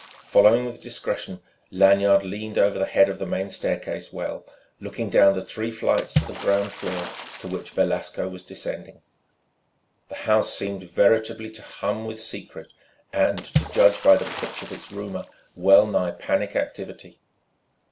Following with discretion, Lanyard leaned over the head of the main staircase well, looking down three flights to the ground floor, to which Velasco was descending. The house seemed veritably to hum with secret and, to judge by the pitch of its rumour, well nigh panic activity.